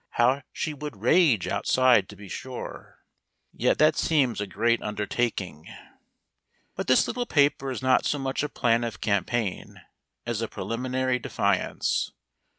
How she would rage outside to be sure! Yet that seems a great undertaking. But this little paper is not so much a plan of campaign as a preliminary defiance.